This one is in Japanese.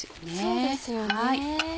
そうですよね。